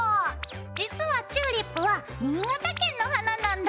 実はチューリップは新潟県の花なんだって。